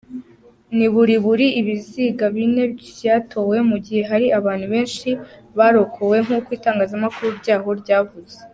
Niburiburi ibiziga bine vyatowe, mu gihe hari abantu benshi barokowe, nkuko itangazamakuru ryaho ryavuze.